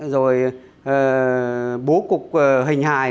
rồi bố cục hình hài